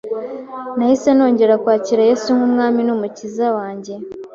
nahise nongera kwakira Yesu nk’umwami n’umukiza wanjye